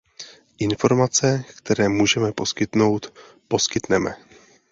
Informace, které můžeme poskytnout, poskytneme.